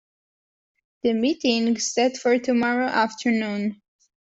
The meeting's set for tomorrow afternoon.